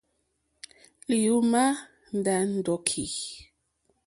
Lì ujmà ndàndòki.